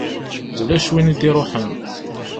Ulac win i d-iṛuḥen.